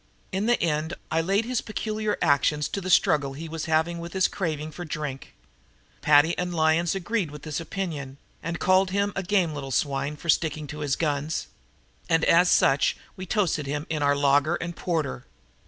In the end I laid his peculiar actions to a struggle he was having with his craving for drink. Paddy and Lyons agreed with this opinion and called him a "game little swine" for sticking to his guns. And as such we toasted him in our lager and porter.